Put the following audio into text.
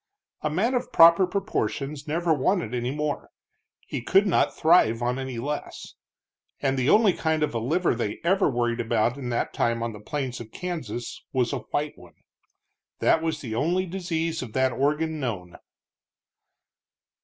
A man of proper proportions never wanted any more; he could not thrive on any less. And the only kind of a liver they ever worried about in that time on the plains of Kansas was a white one. That was the only disease of that organ known.